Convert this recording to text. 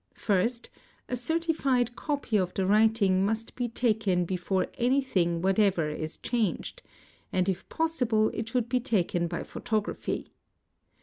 First, a certified copy of the writing ) must be taken before anything whatever is changed, and if possible it should be taken by photography.